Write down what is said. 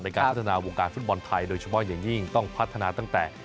ในการพัฒนาวงการฟุตบอลไทยโดยเฉพาะอย่างยิ่งต้องพัฒนาตั้งแต่